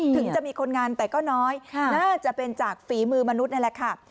ถึงจะมีคนงานแต่ก็น้อยน่าจะเป็นจากฝีมือมนุษย์นั่นแหละค่ะ